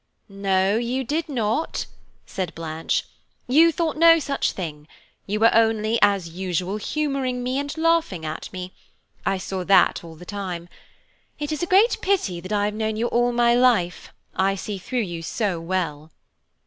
"No, you did not," said Blanche, "you thought no such thing, you were only, as usual, humouring me and laughing at me–I saw that all the time. It is a great pity that I have known you all my life, I see through you so well."